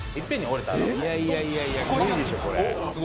いやいやいやいや無理でしょこれ。